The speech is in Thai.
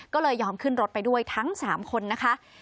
ก็เลยยอมขึ้นรถไปด้วยทั้ง๓คนนะคะ